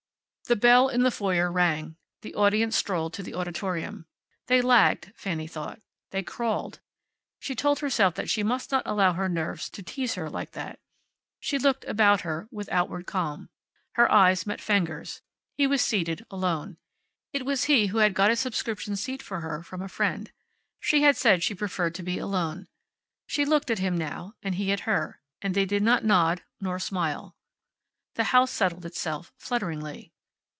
The bell in the foyer rang. The audience strolled to the auditorium. They lagged, Fanny thought. They crawled. She told herself that she must not allow her nerves to tease her like that. She looked about her, with outward calm. Her eyes met Fenger's. He was seated, alone. It was he who had got a subscription seat for her from a friend. She had said she preferred to be alone. She looked at him now and he at her, and they did not nod nor smile. The house settled itself flutteringly.